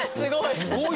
すごい！